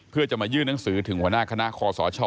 เพื่อจะมายื่นหนังสือถึงหัวหน้าคณะคอสช